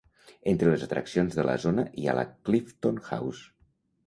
Entre les atraccions de la zona hi ha la Clifton House.